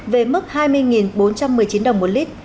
về mức hai mươi bốn trăm một mươi chín đồng một lít